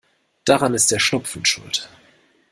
Daran ist der Schnupfen schuld.